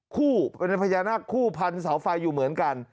คู่เป็นพญานาคคู่พันเสาไฟอยู่เหมือนกัน